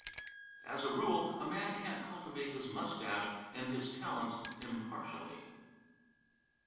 "As a rule, a man can't cultivate his mustache and his talents impartially."